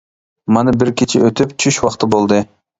مانا بىر كېچە ئۆتۈپ چۈش ۋاقتى بولدى.